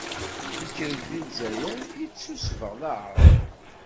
Ikker-d di lezzayer, ittusbeɣ d aɛṛab.